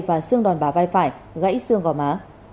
và xương đòn bả vai phải gãy xương gò má